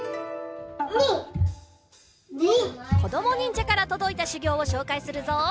こどもにんじゃからとどいたしゅぎょうをしょうかいするぞ。